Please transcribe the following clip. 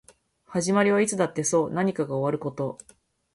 始まりはいつだってそう何かが終わること